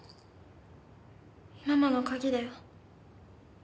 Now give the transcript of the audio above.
ママの鍵だよ。